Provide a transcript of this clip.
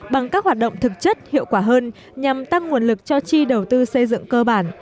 bằng các hoạt động thực chất hiệu quả hơn nhằm tăng nguồn lực cho chi đầu tư xây dựng cơ bản